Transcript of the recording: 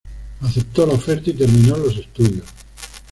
Aceptó la oferta y terminó los estudios.